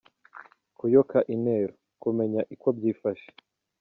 Kuyoka intero : kumenya uko byifashe.